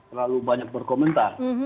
terlalu banyak berkomentar